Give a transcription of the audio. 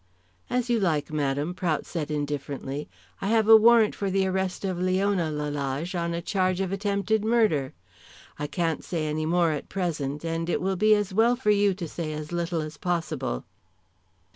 "As you like, madame," Prout said indifferently. "I have a warrant for the arrest of Leona Lalage on a charge of attempted murder. I can't say any more at present, and it will be as well for you to say as little as possible."